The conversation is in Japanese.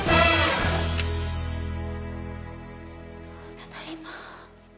ただいま。